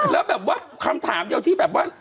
แล้วแบบว่าคำถามเดียวที่แบบว่า